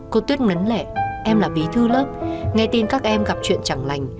cô tuyết nấn lẻ em là bí thư lớp nghe tin các em gặp chuyện chẳng lành